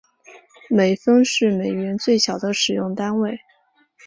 美分是美元最小的使用单位。